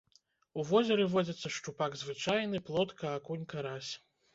У возеры водзяцца шчупак звычайны, плотка, акунь, карась.